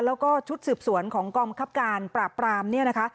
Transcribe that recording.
แล้วก็ชุดสืบสวนของกองบังคับการปราบปรามเนี่ยนะคะ